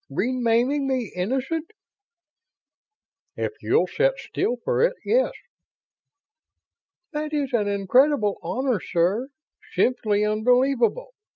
renaming me 'Innocent'?" "If you'll sit still for it, yes." "That is an incredible honor, sir. Simply unbelievable.